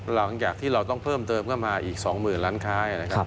หลังจากที่เราต้องเพิ่มเติมเข้ามาอีก๒๐๐๐ล้านค้ายนะครับ